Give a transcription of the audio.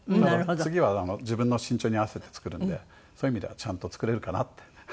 次は自分の身長に合わせて作るんでそういう意味ではちゃんと作れるかなって。